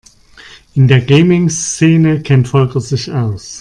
In der Gaming-Szene kennt Volker sich aus.